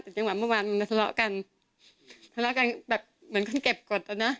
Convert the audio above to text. แต่จังหวะเมื่อวานมันมาทะเลาะกันทะเลาะกันแบบเหมือนคนเก็บกฎแล้วนะ